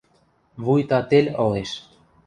Вуйта тел ылеш.